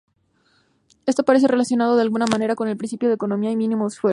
Esto parece relacionado de alguna manera con el principio de economía y mínimo esfuerzo.